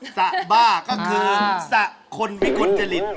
สะบ้าก็คือสะคนพิกุลจริต